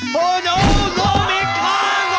โหโหโหมีขาว